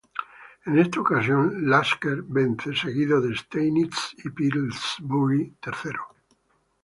En esta ocasión, Lasker vence, seguido de Steinitz, y Pillsbury tercero.